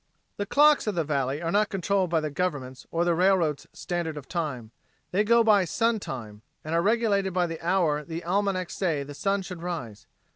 The clocks of the valley are not controlled by the government's or the railroads' standard of time. They go by "sun time" and are regulated by the hour the almanacs say the sun should rise.